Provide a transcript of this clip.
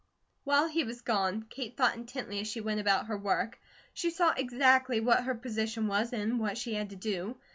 While he was gone, Kate thought intently as she went about her work. She saw exactly what her position was, and what she had to do.